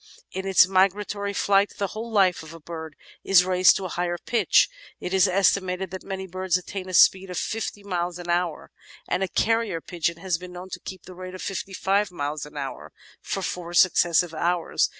In its migratory flight the whole life of a bird is raised to a higher pitch. It is estimated that many birds attain a speed of fifty miles an hour, and a carrier pigeon has been known to keep up the rate of fifty five miles an hour for four successive hours.